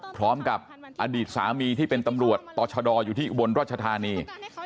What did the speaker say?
พร้อมกับอดีตสามีที่เป็นตำรวจต่อชะดออยู่ที่อุบลราชธานี